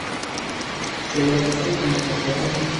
Nshobora gufata amafoto hano?